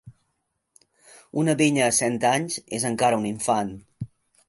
Una vinya a cent anys és encara un infant.